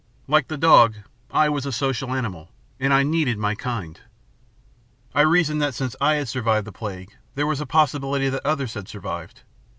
Like the dog, I was a social animal and I needed my kind. I reasoned that since I had survived the plague, there was a possibility that others had survived.